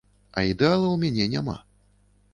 А ідэала ў мяне няма.